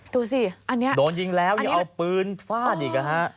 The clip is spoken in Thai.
ดูสิอันนี้โดนยิงแล้วยังเอาปืนฟาดอีกนะฮะ